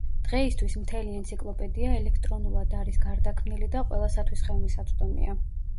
დღეისთვის მთელი ენციკლოპედია ელექტრონულად არის გარდაქმნილი და ყველასათვის ხელმისაწვდომია.